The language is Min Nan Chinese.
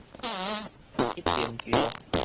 一重橋